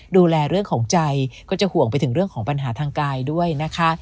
ดูแลเรื่องของใจก็จะห่วงไปถึงเรื่องของปัญหาทางกายด้วยนะคะ